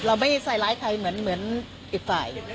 เราไม่ใส่ร้ายใครเหมือนอีกฝ่าย